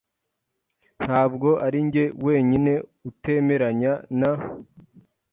Ntabwo arinjye wenyine utemeranya na .